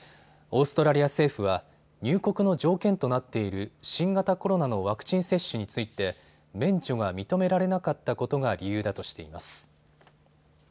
オーストラリア政府は入国の条件となっている新型コロナのワクチン接種について免除が認められなかったことが理由だとしています。